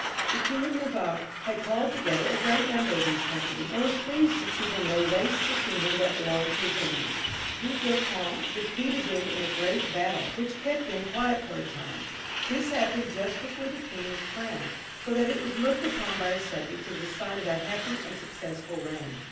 The King of Navarre had called together a great number of these companies, and was pleased to see them lay waste the kingdom that be longed to his enemy. Du Guesclin defeated them in a N 178 CHARLES V. (LE SAGE). [CH. great battle, which kept them quiet for a time. This happened just before the king was crowned, so that it was looked upon by his subjects as a sign of a happy and successful reign.